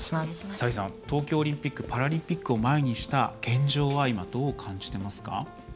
サリーさん、東京オリンピック・パラリンピックを前にした現状は今、どう感じてますか？